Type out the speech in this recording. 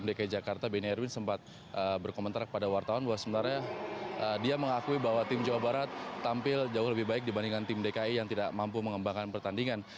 dia mengakui bahwa tim jawa barat tampil jauh lebih baik dibandingkan tim dki yang tidak mampu mengembangkan pertandingan